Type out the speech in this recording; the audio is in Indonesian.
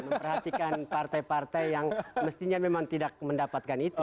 memperhatikan partai partai yang mestinya memang tidak mendapatkan itu